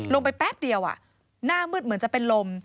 แป๊บเดียวหน้ามืดเหมือนจะเป็นลม